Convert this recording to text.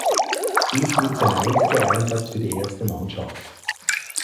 Dies bleib sein einziger Einsatz für die erste Mannschaft.